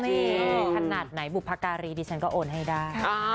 ขนาดไหนบุพการีดิฉันก็โอนให้ได้